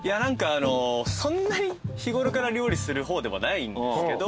そんなに日頃から料理する方でもないんですけど。